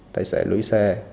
tài xế lúi xe